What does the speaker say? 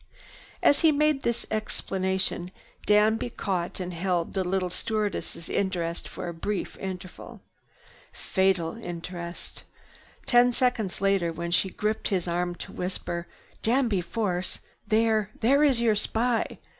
As he made this explanation Danby caught and held the little stewardess' interest for a brief interval. Fatal interest. Ten seconds later, when she gripped his arm to whisper, "Danby Force! There—there is your spy!"